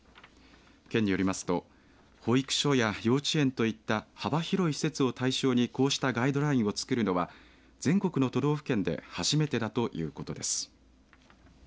県によりますとを保育所や幼稚園といった幅広い施設を対象にこうしたガイドラインを作るのは全国の都道府県で初めてだということです。